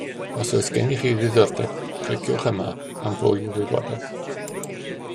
Os oes gennych chi ddiddordeb, cliciwch yma am fwy o wybodaeth